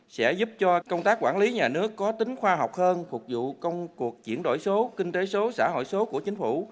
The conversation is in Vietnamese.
sẽ giúp cho công tác quản lý nhà nước có tính khoa học hơn phục vụ công cuộc chuyển đổi số kinh tế số xã hội số của chính phủ